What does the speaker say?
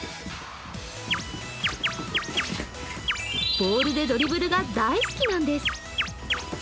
ボールでドリブルが大好きなんです。